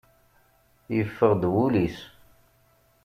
Yeffeɣ-d wul-is.